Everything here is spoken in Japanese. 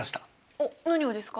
おっ何をですか？